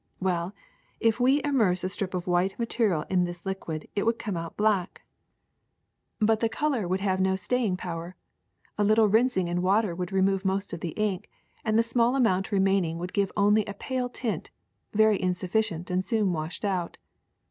Well, if we immersed a strip of white material in this liquid it would come out black, 64 DYEING AND PRINTING 65 but the color would have no staying power. A little rinsing in water would remove most of the ink, and the small amount remaining would give only a pale tint, very insufficient and soon washed out.